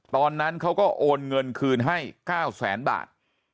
ตอนนั้นเขาก็โอนเงินคืนให้๙แสนบาท